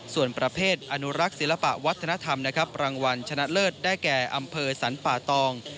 ส่วนประเภทอนุรักษ์ศิลปะวัฒนธรรมนะครับรางวัลชนะเลิศได้แก่อำเภอสรรป่าตอง